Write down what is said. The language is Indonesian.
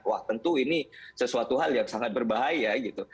wah tentu ini sesuatu hal yang sangat berbahaya gitu